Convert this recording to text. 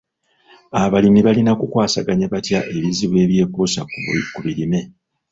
Abalimi balina kukwasaganya batya ebizibu ebyekuusa ku bimera?